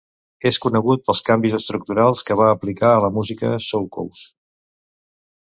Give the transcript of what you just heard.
És conegut pels canvis estructurals que va aplicar a la música soukous.